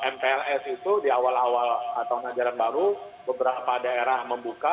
mpls itu di awal awal tahun ajaran baru beberapa daerah membuka